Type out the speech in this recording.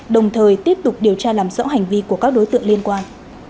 đồng thời tiếp tục điều tra làm rõ hành vi của các đối tượng liên quan